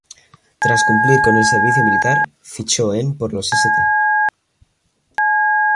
Tras cumplir con el servicio militar, fichó en por los St.